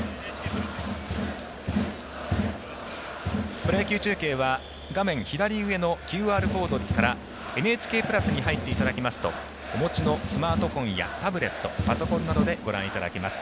プロ野球中継は画面左上のＱＲコードからＮＨＫプラスに入っていただきますとお持ちのスマートフォンやタブレット、パソコンなどでご覧いただけます。